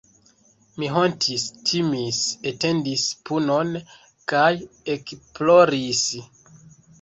Mi hontis, timis, atendis punon kaj ekploris.